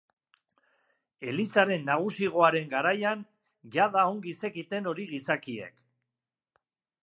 Elizaren nagusigoaren garaian jada ongi zekiten hori gizakiek.